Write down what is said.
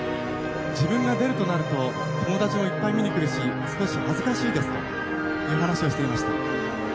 自分が出るとなると友達もいっぱい見に来るし少し恥ずかしいですという話をしていました。